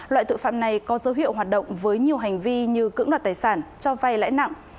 loại tội phạm này có dấu hiệu hoạt động với nhiều hành vi như cưỡng đoạt tài sản cho vay lãi nặng